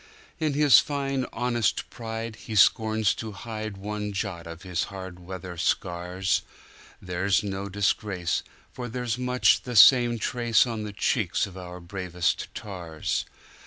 In his fine honest pride, he scorns to hideOne jot of his hard weather scars; They're no disgrace, for there's much the same traceOn the cheeks of our bravest tars.